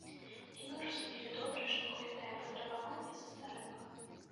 І мы разумелі добра, што гэтае патрабаванне састарэла.